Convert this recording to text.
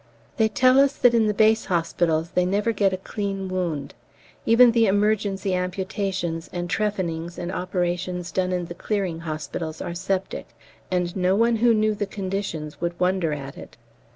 They tell us that in the base hospitals they never get a clean wound; even the emergency amputations and trephinings and operations done in the Clearing Hospitals are septic, and no one who knew the conditions would wonder at it.